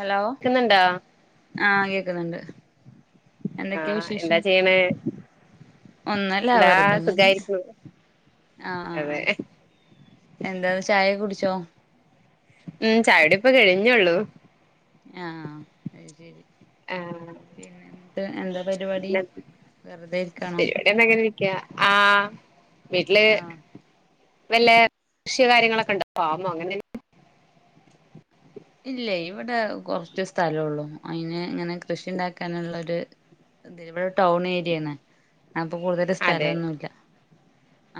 Hello ക്കുന്നുണ്ടോ ആഹ് കേക്കുന്നുണ്ട് എന്തൊക്കെയാ ആഹ് എന്താ വിശേഷം ചെയ്യണെ? ഒന്നുല്ല വെർതെങ്ങനെ സുഖായിരിക്കുന്നു ആഹ് ആഹ് അതെ എന്താ ചായെക്കെ കുടിച്ചോ? ഉം ചായ കുടി ഇപ്പ കഴിഞ്ഞോള്ളൂ ആഹ് അയ്ശെരി ആഹ് പിന്നെ ഇന്നിട്ട് എന്താ പരിപാടി പിന്നെ വെറുതെ ഇരിക്കാണോ പരിപാടി എന്താ ഇങ്ങനിരിക്കാ ആഹ് വീട്ടില് ആഹ് വെല്ലെ കൃഷികാര്യങ്ങളൊക്കെ ഇണ്ടാ ഫാമോ അങ്ങനെ എന്ത് ഇല്ലേ ഇവിടെ കൊറച്ച് സ്ഥലോള്ളൂ അയിന് ഇങ്ങനെ കൃഷി ഇണ്ടാക്കാനുള്ളൊരു [unintelligible] ഇവിടെ ടൗണേരിയാണ് അപ്പോ കൂടുതല് അതെ സ്ഥലൊന്നുല്ല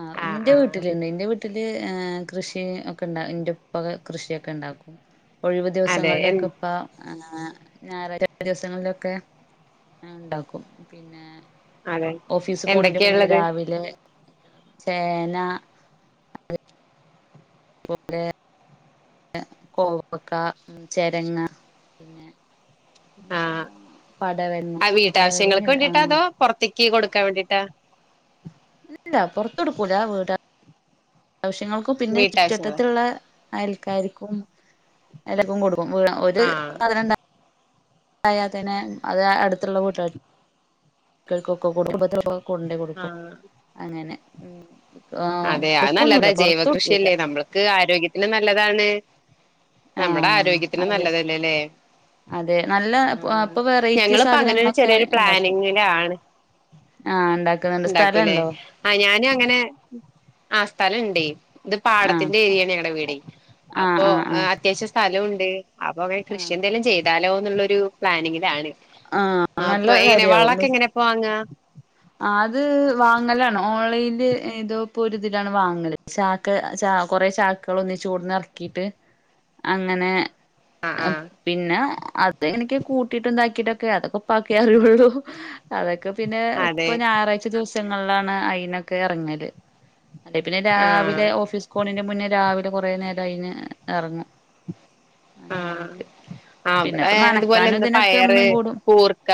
ആഹ് ഇന്റെ വീട്ടിലുണ്ട് ഇന്റെ വീട്ട് ട്ടില് ഏഹ് കൃഷി ഓക്കെ ഇണ്ട് ഇന്റെപ്പ ക കൃഷിയൊക്കെ ഇണ്ടാക്കും ഒഴിവ് അതെ എ ദിവസങ്ങളിലൊക്കെ ഉപ്പ ആഹ് ഞായ [unintelligible] ദിവസങ്ങളിലൊക്കെ ഇണ്ടാക്കും പിന്നെ അതെ ഓഫീസ് പോണൻ്റെ മുന്നേ എന്തൊക്കെയാള്ളത് രാവിലെ ചേന അതുപോലെ കോവക്ക, ചെരങ്ങ, പിന്നെ പിന്നെ ആഹ് എന്താ പടവൽങ്ങ പടവലങ്ങല്ല ആഹ് പെറത്തേക്ക് കൊടുക്കാൻ വേണ്ടിയിട്ടാ ഇല്ല പൊറത്തു കൊടുക്കൂലാ വീടാ ആവശ്യങ്ങൾക്കും പിന്നെ ചുറ്റ് വീട്ടാവശ്യങ്ങൾക്ക് വട്ടത്തുള്ള അയൽക്കാർക്കും എല്ലർക്കും കൊടുക്കു [unintelligible] ഒര് [unintelligible] ആഹ് ണ്ടായാൽ തന്നെ അത് അടുത്തുള്ള വീട്ടൾകൊക്കെ കൊടുക്കു [unintelligible] കൊണ്ടോയി കൊടുക്കും ആഹ് അങ്ങനെ ഉം വിക്ക് ഏഹ് അതെ അത് വിക്കൊന്നുല്ല പൊറത്ത് വിക്കൂല്ല പിന്നെ നല്ലതാണ് നമ്മടെ ആഹ് ആരോഗ്യത്തിനും അതെ നല്ലതല്ലേല്ലേ അതെ നല്ല ആഹ് ഇപ്പൊ വെറൈറ്റി ഞങ്ങളിപ്പോ അങ്ങനെ സാധനങ്ങളൊക്കെ ചെറിയൊരു ഇണ്ടാക്കും പ്ലാനിങ്ങിലാണ് ആഹ് ഇണ്ടാക്ക് ഇണ്ടാക്കൂല്ലേ ആഹ് ഞാനു അങ്ങനെ ആഹ് സ്ഥലണ്ടേ ഇത് ആഹ് പാടത്തിന്റെ ഏരിയാണ് ഞങ്ങടെ വീടെ ആഹ് അപ്പൊ ആഹ് ആഹ് അത്യാവശ്യം സ്ഥലോണ്ട് അപ്പൊങ്ങനെ കൃഷി ആഹ് എന്തേലും ചെയ്താലോന്നുള്ളൊരു പ്ലാനിങ്ങിലാണ് ആഹ് അപ്പൊ നല്ല എങ്ങനെ വളൊക്കെ കാര്യാവും എങ്ങനെ വാങ്ങാ ആഹ് അത് വാങ്ങലാണ് ഓൺലൈൻല് ഏതോപ്പോരിതിലാണ് വാങ്ങല് ചാക്ക് ക്ക് ചാ കൊറെ ചാക്കുകളൊന്നിച്ച് കൊടന്ന് എറക്കിയിട്ട് അങ്ങനെ ആഹ് ഏഹ് ആഹ് പിന്നെ അതങ്ങനൊക്കെ കൂട്ടിയിട്ട് ഇതാക്കിട്ടൊക്കെ അതൊക്കെ ഉപ്പാക്കെയറിള്ളൂ അതൊക് ക്കെ പിന്നെ അതെ ഇപ്പ ഞായറാഴ്ച ദിവസങ്ങളിലാണ് അയിനൊക്കെ എറങ്ങല് അല്ലേ പിന്നെ ആഹ് രാവിലെ ഓഫീസ്ക്ക് പോണന്റെ മുന്നേ രാവിലെ കൊറെ നേരം അയിന് എറങ്ങും ആഹ് അങ്ങനെക്കെ ആഹ് ഇവടെ ഇതുപോലെ എന്താ പയറ്, കൂടും കൂർക്ക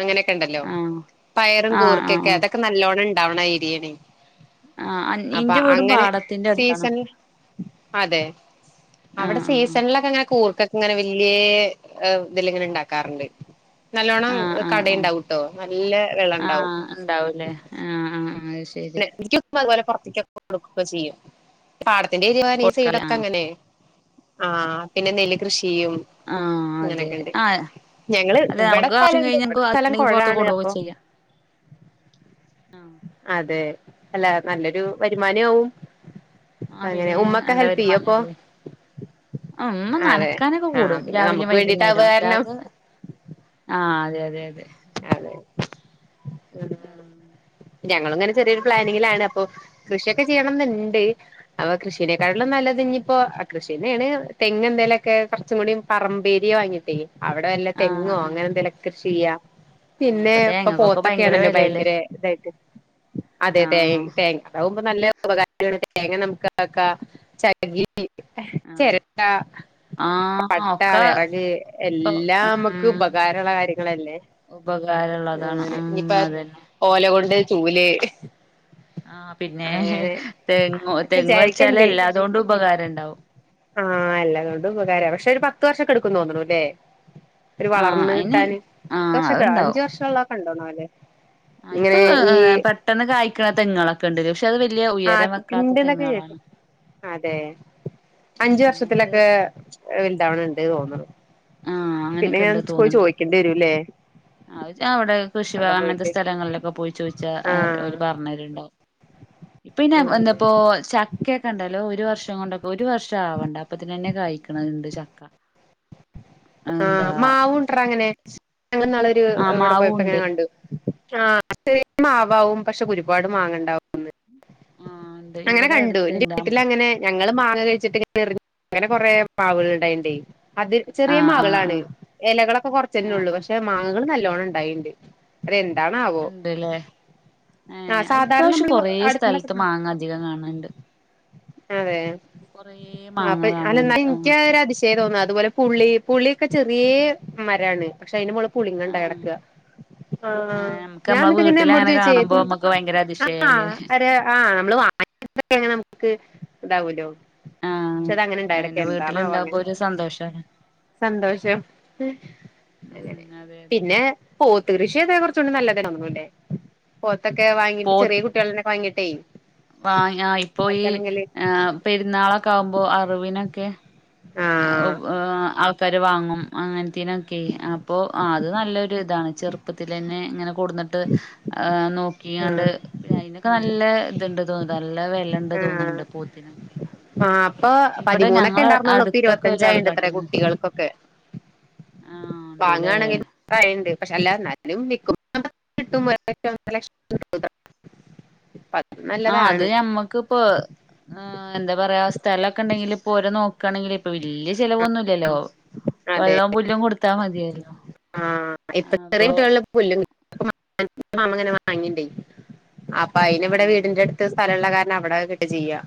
അങ്ങനെയൊക്കെണ്ടല്ലോ ആഹ് പയറും ആഹ് ആഹ് കൂർക്കൊക്കെ ആഹ് അതൊക്കെ നല്ലോണണ്ടാവണ ഏരിയാണ് ആഹ് അപ്പൊ ഇന്റെ വീടും അങ്ങനെ പാടത്തിന്റെ അടുത്താണ് സീസൺല് അതെ അവിടെ ആഹ് സീസൺലൊ കൂർക്കൊക്കെ ഇങ്ങനെ വല്യേ ഏഹ് ഇതില്ങ്ങനെ ഇണ്ടാക്കാറ്ണ്ട്. നല്ലോണ്ണം ആഹ് ആഹ് കടയിണ്ടാവൂട്ടോ നല്ല വെള്ളംണ്ടാവും ഇണ്ടാവു ലേ ആഹ് ആഹ് ആഹ് ശരി നെ [unintelligible] അതുപോലെ പുറത്ത്യ്ക്കൊക്കെ കൊടുക്കൊക്കെ ചെയ്യും. പാടത്തിന്റെ ചെരിവായേനെ ഈ കൊടുക്കല സൈഡൊക്കെ ആഹ് അങ്ങനെ. ആഹ് പിന്നെ നെല്ല് കൃഷി ചെയ്യും ആഹ് അതെ അതെ. ആഹ് ഞങ്ങള് അല്ലെ ഇവിടെ നമുക്ക് ആവശ്യം സ്ഥലണ്ട് കഴിഞ്ഞാ ഇവിടെ നമുക്ക് സ്ഥലം വാക്കിണ്ടെങ്കി പുറത്ത് കൊഴാണ് കൊടുക്കെ അപ്പൊ ചെയ്യാ. ആഹ് അതെ. അല്ല നല്ലൊരു വരുമാനവു ആവും ആഹ് പിന്നെ നല്ല വരുമാനല്ലേ ആഹ് ഉമ്മ അതെ നനക്കാനൊക്കെ ആഹ് കൂടും പിന്നെ രാവിലിം നമുക്ക് വേണ്ടിട്ടാവ വൈകുന്നേരും കാരണം അല്ലാതെ ആഹ് അതെ അതെ അതെ അതെ. ആഹ്. ഞങ്ങളും ഇങ്ങനെ ചെറിയൊരു അങ്ങനെ എന്നിട്ട് പ്ലാനിങ്ങിലാണ് അപ്പൊ കൃഷിയൊക്കെ ചെയ്യണം ന്ന്ണ്ട്. അപ്പൊ കൃഷീനേക്കാട്ടിലും നല്ലത്ഞ്ഞ് ഇപ്പൊ കൃഷിയന്നേണ് തെങ്ങ് എന്തേലൊക്കെ കൊർച്ചും കൂടി പറമ്പേരിയ വാങ്ങിട്ടേ, അവിടെ വല്ല ആഹ് തെങ്ങോ ആഹ് അങ്ങനെ എന്തേലൊക്കെ കൃഷി ചെയ്യാ. ആഹ് പിന്നെ ഇപ്പൊ ഇപ്പം പോ തേങ്ങക്കൊക്കെ തക്കെ ഭയങ്കര ആണല്ലോ വെലയല്ലേ ഭയങ്കര ഇതായിട്ട് അതെ തേയ് ആഹ് തേ. [unintelligible] അതാവുമ്പം നല്ല ഉപകാര [unintelligible] തേങ്ങ നമുക്കാക്കാ. ചകിരി ആഹ് ചെരട്ടാ ആഹ് പട്ട, ഒക്കെ വിറക് ഇപ്പൊ എല്ലാം നമുക്ക് ഉം ഉപകാരള്ള കാര്യങ്ങളല്ലേ. ഉപകാരള്ളതാണ് അങ്ങനെ ഉം ഇനിയിപ്പ അതെന്നെ. ഓല കൊണ്ട് ചൂല് ആഹ് പിന്നെ. അങ്ങനെ തെങ്ങ് അങ്ങനൊക്കെ തെങ്ങ് വെച്ചാല് വിചാരിക്കണ്ട് എല്ലാതോണ്ടും ഉപകാരണ്ടാവും. ആഹ് എല്ലാംകൊണ്ട് ഉപകാരാ. പക്ഷേ ഒരു പത്ത് വർഷൊക്കെ എടുക്കും തോന്നുണു ല്ലേ. ഒരു ആഹ് വളർന്ന് അയിന് കിട്ടാന്, പത്ത് ആഹ് വർഷൊക്കെ അഞ്ച് അത്ണ്ടാവും വർഷം ഉള്ള ഒക്കെ ഉണ്ടൊ ന്നാല്. ഇങ്ങനെ ഈ ട്ടെന്ന് കായ്ക്കണ തെങ്ങേളൊക്കണ്ട് ലേ ഇഷ് ആഹ് കിണ്ട് ന്നൊക്കെ കേട്ട്. അതെ അഞ്ചു വർഷത്തിലൊക്കെ അങ്ങനത്തെതൊക്കെ വൽതാവ്ണത് ഇണ്ട് തോന്നുണു. ആഹ് പിന്നെ അങ്ങനെയൊക്കെ ഞാൻ പോയി ചോയിക്കണ്ട്യേ രൂല്ലേ. ആഹ് അവിടെ കൃഷി ഭവൻ അങ്ങൻത്തെ പോയിട്ട് സ്ഥലങ്ങളിലൊക്കെ പോയി ചോയിച്ചാ അവ ആഹ് ഓല് പർഞ്ഞര്ണ്ടാവും. പിന്നെ എന്താപ്പോ ചാ ചക്കക്ക്യണ്ടല്ലോ ഒരു വർഷം കൊണ്ടൊക്ക ഒരു വർഷം ആവണ്ട അപ്പോത്തിനെന്നെ കായ്ക്ക്ണത്ണ്ട് ചക്ക. എന്താ ആഹ് മാവുണ്ട്റാ അങ്ങനെ. ഞങ്ങള് ന്നാള് ഒരു ആ ഇവടെ പോയപ്പോ ഇങ്ങനെ മാവുണ്ട് കണ്ടു. ആഹ് ചെറിയ മാവാവും പക്ഷേ ഒരുപാട് മാങ്ങണ്ടാവും ന്ന്. ആ ഉണ്ട് അങ്ങനെ ഇവിടെ കണ്ടു ഇൻ്റെ അടുത്തുണ്ട് വീട്ടിലങ്ങനെ ഞങ്ങള് മാങ്ങ കഴിച്ചിട്ട് ഇങ്ങനെറിഞ്ഞ് അങ്ങനെ കൊറെ മാവുകള്ണ്ടായിണ്ടേ. അത് ആ ചെറിയ ആ ആ മാവ്കളാണ് ഇലകളൊക്കെ കൊറച്ചെന്നെ ഒള്ളൂ. പക്ഷേ മാങ്ങകൾ നല്ലോണ്ണണ്ടായിണ്ട്. അത് എന്താണാവോ. ഏഹ്. അഇപ്രാവശ്യം കൊറെ അടുത്തുന്നൊക്കെ സ്ഥലത്ത് മാങ്ങ അധികം കാണ് ണ്ട്. അതെ. മാങ്ങ അപ്പൊ കാണണ്ട് ആ അല്ലന്നാലുൻക്ക്യത് ഒരു അതിശ് ശയം തോന്നാ. അതുപോലെ പുളി പുളിയൊക്കെ ചെറ്യേ മരാണ് പക്ഷേ അയിന് മോള് ആ പുളിങ്ങണ്ടായട്ക്കാ. ആ ആഹ് നമുക്ക് ഞാൻ നമ്മളെ എന്നിട്ട് വീട്ടിൽ ഉമ്മോട് അങ്ങനെ ചോയിച്ചേ കാണുമ്പോ ഇതെന്ത നമ്മുക്ക് ഭയങ്കര അതിശയല്ലേ ആഹ് ഒരാ ആഹ് നമ്മള് [unintelligible] നമുക്ക് ഇതാവൂല്ലോ ആ പക്ഷേ അതങ്ങനെ ഇണ്ടായി ഇടക്ക്. അതിന് എന്താണാവോ വീട്ടിലുണ്ടാവുമ്പോ അങ്ങനെ. ഒരു സന്തോഷാണ്. സന്തോഷം. ഉം അങ്ങനെ. അതെ അതെ പിന്നെ പോത്ത് കൃഷിയൊക്കെ കുറച്ചൂടെ നല്ലത [unintelligible] പോത്തൊക്കെ വാങ്ങിട്ട് ചെറിയ കുട്ടിയേള്നൊക്കെ വാങ്ങിട്ടേ. വ ആ ഇപ്പോ ഈ ഇതാക്കാണെങ്കില് ആ പെരുന്നാളൊക്കെ ആകുമ്പോ അറിവിനൊക്കെ. ആഹ് ആൾക്കാര് വാങ്ങും അങ്ങനത്തേനൊക്കെ അപ്പൊ അത് നല്ലൊരു ഇതാണ് ചെറുപ്പ. ചെർപ്പത്തിലെന്നെ ഇങ്ങനെ കൊടുന്നിട്ട് നോ. ക്കിയാണ്ട് ആഹ് അയിനൊക്കെ നല്ല ഇത്ണ്ട് തോന്ന നല്ല വെലണ്ട് ആഹ് തോന്നുന്നുണ്ട് പോത്തിന്. ആഹ് അപ്പൊ പതിമൂന്നൊക്കെ ഉണ്ടായിർന്നോള്ളു ഇപ്പൊ അടുത്തൊക്കെ ഒരാൾ ഇരുപത്തഞ്ചായിണ്ട്ത്രേ കാട്ടീന്നു കുട്ടികൾക്കൊക്കെ. ആഹ് ഉണ്ട്ല്ലേ. ആണെങ്കി പറയണ്ട് പക്ഷെ അല്ല എന്നാലുംവിക്കുമ്പോ കിട്ടും ഒരു ലക്ഷം ഒനരലക്ഷക്കെ. പത്ത്. ആ അത് ഞമ്മക്ക്പ്പൊ. ആ എന്താ പറയാ സ്ഥലക്കെണ്ടെങ്കിൽ ഇപ്പോ ഓരെ നോക്കുകയാണെങ്കിൽ ഇപ്പൊ വല്യ ചിലവന്നും. ല്ലല്ലോ അതെ വെള്ളവും പുല്ലും കൊടുത്താ മതിയല്ലോ അപ്പൊ. പുല്ലങ്ങനെ വാങ്ങിട്ടേ. അപ്പൊ അയിനി ഇവിടെ ആഹ് വീടിന്റെ അടുത്ത് സ്ഥലമുള്ള കാരണം അവിടെ കെട്ട ചെയ്യാ.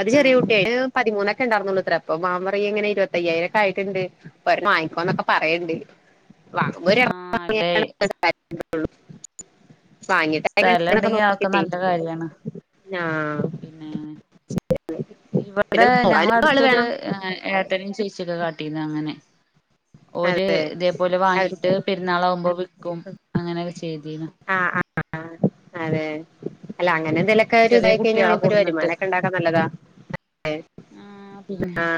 അത് ചെറിയ ആഹ് കുട്ടിയ പതിമൂന്നൊക്കെ ഉണ്ടായിർന്നൂത്ര അപ്പൊ മാമൻ. ങ്ങനെ ഇരുപത്തയായിരക്കെ ആയിട്ടുണ്ട് വാങ്ങിക്കൊനൊക്ക. പറയണ്ട് വാങ്ങ്പോ [inaudible] ആഹ് അല്ലേ സ്ഥലം വാങ്ങിട്ടൊക്കെ ഉണ്ടെങ്കി അതൊക്കെ നോക്കിട്ടേ. നല്ല കാര്യാണ് ആഹ് പിന്നെ ശരി. ഇവിടെ ഞങ്ങള അടുത്തൊരു ഏട്ടനും ചേച്ചിയൊക്കെ കാട്ടീന്ന് അങ്ങനെ. ഒര് അതെ ഇതേപോലെ അവര് വാങ്ങിട്ട് പെരുന്നാളാകുമ്പോ വിൽക്കും അങ്ങനെയൊക്കെ ചെയ്തിനു. ആ ആ അതെ അല്ല അങ്ങനെ. ഇതിലൊക്കെ ഒരു ചെറിയ ഇതായി കഴിഞ്ഞാൽ കുട്ടികളെ നമുക്കൊരു കൊടുന്നിട്ട് വരുമാനക്കെ ഉണ്ടാക്കാ നല്ലതാ. ആഹ് പിന്നെ ആ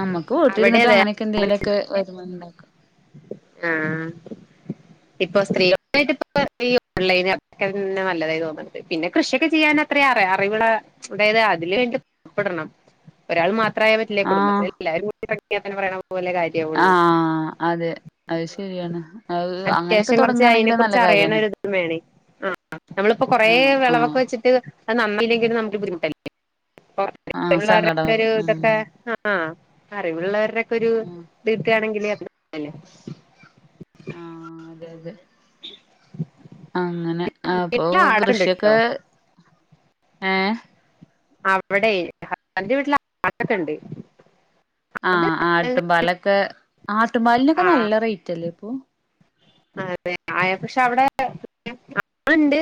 നമ്മുക്ക് അവിടെ വീട്ടിലിരുന്നിട്ടും അതെ. അങ്ങനെയൊക്കെ എന്തേലൊക്കെ വരുമാനം ഉണ്ടാക്കും. ആഹ്. ഇപ്പൊ സ്ത്രീകളുമായി ഇ ഓൺലൈനൊക്കെ നല്ലതായി തോന്നണ്ണ്ട് പിന്നെ കൃഷിയൊക്കെ ചെയ്യാൻ. അത്ര അറിവുള്ള അതായത് അതിന് വേണ്ടി പുറപ്പെടണം. ഒരാൾ മാത്രയ പറ്റില്ല ആഹ് കുടുംബത്തില എല്ലാവരും തൈക്കാ പറയുംപോ വല്യകാര്യക്കും. ആ അതെ അത് ശരിയാണ് അങ്ങനെയൊക്കെ തുടങ്ങണെങ്കിൽ നല്ല കാര്യമാണ്. ആ നമ്മളിപ്പോ കൊറേ ആഹ് വിളവൊക്കെ ആഹ് വെച്ചിട്ട്. അത് നന്നല്ലങ്കിലും നമ്മക്ക് ബുദ്ധിമുട്ടല്ലേ ആഹ് പിള്ളേരുടെ സങ്കടാവും ഒരു ഇതൊക്കെ. ഉം ആഹ് അറിവുള്ളവരുടെക്കെ ഒരു ആഹ് ഇത് കിട്ടുകയാണെങ്കിൽ. ആഹ് അതെ അതെ. അങ്ങനെ അപ്പൊ വീട്ടില് ആടൊക്കെണ്ട് ട്ടോ കൃഷിയൊക്കെ ഏഹ്. അവിടെ ഹസ്ബൻന്റെ വീട്ടില് ആടൊക്കെണ്ട്. ആഹ് ആട്ടുംപാലൊക്കെ ആട്ടുംപാലിനൊക്കെ ആഹ് നല്ല റേറ്റ്ല്ലേ ഇപ്പൊ. അതെ ആ പക്ഷെ അവിടെ ആട്ണ്ട്.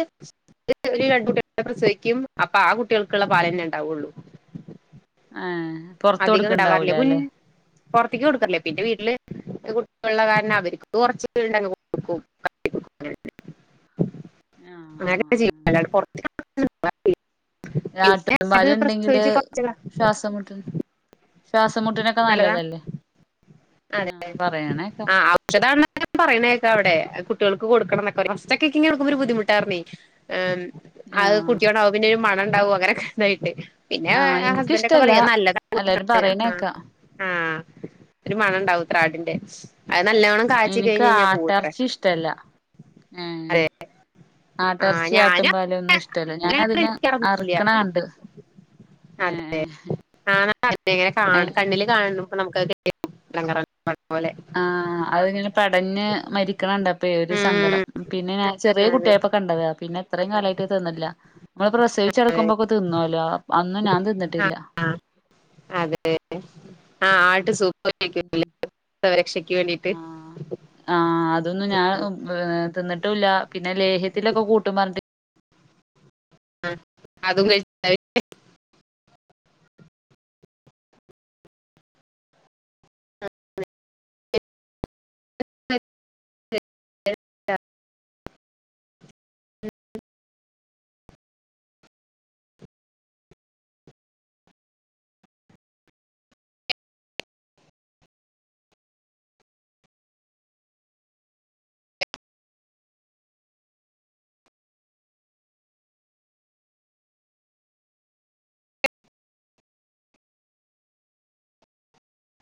ഒരു രണ്ട് കുട്ടികള പ്രസവിക്കും അപ്പൊ ആ കുട്ടികൾക്കുള്ള പാലന്നെ ഉണ്ടാവുള്ളൂ. ആഹ് പുറത്ത് അധികം ഉണ്ടാവാറില്ല കൊടുക്കണ്ടാവൂല മുൻ അല്ലേ. പുറത്തേക്ക് കൊടുക്കലില്ല പിന്നെ വീട്ടില്. കുട്ടികളുള്ള കാരണം അവരിക്കും കുറച് ഫിടം കൊക്കും. ആഹ് ആഹ് അങ്ങനെക്കെ ചെയ്യും അല്ലണ്ട് പുറത്തേക്ക്. അത് ആട്ടുമ്പാല് ഉണ്ടെങ്കില് പ്രസവിച്ച് കുറച്ച് ശ്വാസം മുട്ടിന്. ശ്വാസംമുട്ടിനൊക്കെ നല്ലതാ നല്ലതല്ലേ ആ പറയണ്ടേക്ക. പക്ഷേതാണ് പറയണേക്ക അവിടെ കുട്ടികൾക്ക് കൊടുക്കണംന്നൊക്കെ ഫസ്റ്റ് ഒക്കെ ഒരു ബുദ്ധിമുട്ടായിരുന്നേ. അത് ആഹ് കുട്ടിയോണ്ടാവും പിന്നെരു മണണ്ടാവും അങ്ങനെക്കയിട്ട്. പിന്നെ ആഹ് ആ ഹസ്ബൻഡക്കെ പറയാ അത് നല്ലത. ക്ക ആഹ്. ഒരു മണം ണ്ടാവും ത്രാടിന്റെ അത് നല്ലോണം എനിക്ക് ആട്ടർച്ചിഷ്ടല്ല ഏഹേ അതെ ആ ആട്ടർച്ചി ഞാനും ആട്ടുംപാലൊന്നുഷ്ടല്ല ഞാന് അതിനെ അങ്ങനെക്കാറൊന്നുല്ല അറ്ക്ക്ണെ കണ്ട്. അതെ ഏഹ് ആ [unintelligible] കാണ് അയ്ന് കണ്ണില് കാണുമ്പോ നമക്കത് [unintelligible] സങ്കടാണ്. അത്ങ്ങനെ പെടഞ്ഞ് മരിക്കണ കണ്ടപ്പയ് ഒരു ഉം സങ്കടം പിന്നെ ഞാൻ ചെറ്യേ അതെ കുട്ട്യായപ്പോ കണ്ടതാ പിന്നെ ഇത്രയും കാലായിട്ട് അത് തിന്നില്ല. നമ്മള് പ്രസവിച്ചട്ക്കുമ്പോക്കെ തിന്നോല്ലോ അന്നും ഞാൻ ആ തിന്നിട്ടില്ല. ആ അതെ ആഹ് ആട്ട് സൂപ്പ് കഴിക് [unintelligible] പ്രസവ രക്ഷക്ക് വേണ്ടിട്ട്. ആഹ് ആഹ് അതൊന്നും ഞാ തിന്ന്ട്ടുല്ല പിന്നെ ലേഹ്യത്തിലൊക്കെ കൂട്ടും പാർഞ്ഞ്ട്ട് ആഹ് അതും കഴി [unintelligible] [unintelligible] [unintelligible]